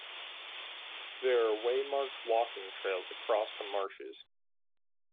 There are waymarked walking trails across the marshes.